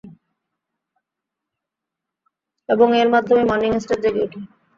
এবং এর মাধ্যমেই, মর্নিং স্টার জেগে উঠে।